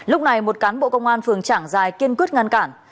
lúc này một cán bộ công an phường trảng dài kiên quyết ngăn cản